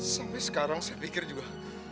sampai sekarang saya pikir juga